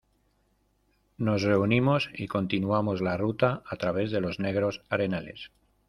nos reunimos y continuamos la ruta a través de los negros arenales.